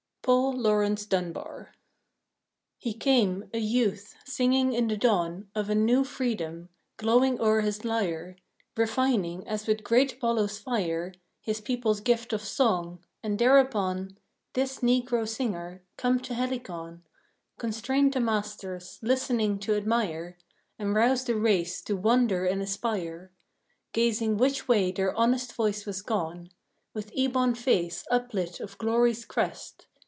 PAUL LAURENCE DUNBAR He came, a youth, singing in the dawn Of a new freedom, glowing o'er his lyre, Refining, as with great Apollo's fire, His people's gift of song. And thereupon, This Negro singer, come to Helicon Constrained the masters, listening to admire, And roused a race to wonder and aspire, Gazing which way their honest voice was gone, With ebon face uplit of glory's crest.